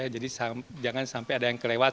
jadi jangan sampai ada yang kelewat